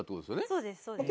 そうですそうです。